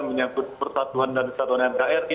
menyangkut persatuan dan kesatuan nkri